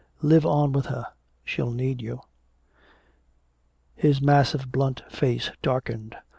Live on with her. She'll need you." His massive blunt face darkened.